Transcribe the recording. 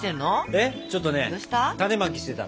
ちょっとね種まきしてた。